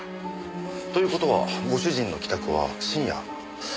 という事はご主人の帰宅は深夜０時過ぎ。